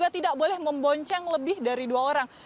tidak boleh membonceng lebih dari dua orang